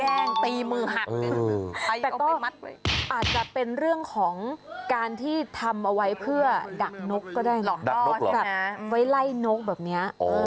อาจจะเป็นเรื่องของการที่ทำเอาไว้เพื่อดักนกก็ได้นะ